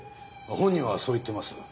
本人はそう言ってます。